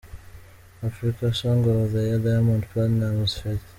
Africa Song of the Year Diamond Platnumz Ft.